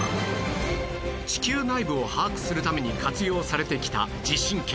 地球内部を把握するために活用されてきた地震計